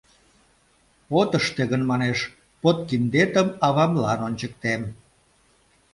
От ыште гын, манеш, подкиндетым авамлан ончыктем...